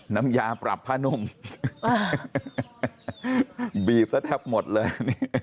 น้ำยาปรับผ้านุ่มบีบซะแทบหมดเลย